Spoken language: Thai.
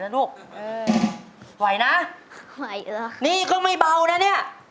ก็คืก่อนนี้ม่อไปที่นี่